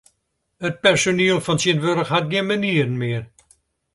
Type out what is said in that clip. It personiel fan tsjintwurdich hat gjin manieren mear.